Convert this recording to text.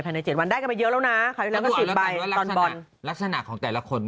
ภายในเจ็ดวันได้กันไปเยอะแล้วนะภายในวันแล้วก็สิบใบตอนบอนลักษณะของแต่ละคน